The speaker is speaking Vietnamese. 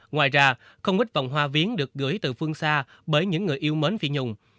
ngoài ra không ít vòng hoa viến được gửi từ phương xa bởi những người yêu mến phi nhung